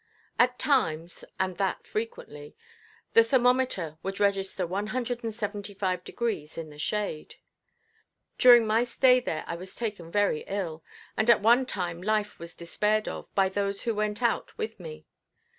At times (and that frequently) the thermometer would register 175° in the shade. During my stay there I was taken very ill, and at one time life was despaired of by those who went out with me.